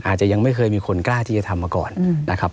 อาจจะยังไม่เคยมีคนกล้าที่จะทำมาก่อนนะครับ